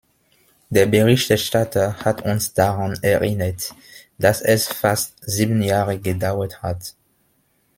Der Berichterstatter hat uns daran erinnert, dass es fast sieben Jahre gedauert hat.